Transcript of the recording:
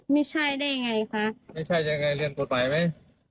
ไม่ใช่ได้ยังไงเรียนกฎหมายไหม